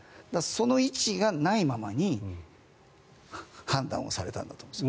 その位置がないままに判断をされたんだと思います。